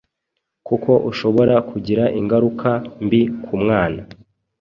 kuko ushobora kugira ingaruka mbi ku mwana